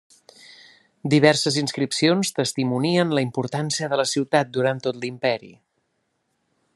Diverses inscripcions testimonien la importància de la ciutat durant tot l'imperi.